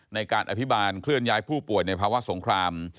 ในการอภิบาลเคลื่อนย้ายผู้ป่วยในภาวะสงคราม